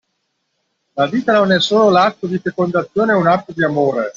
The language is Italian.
La vita non è solo l'atto di fecondazione è un atto di amore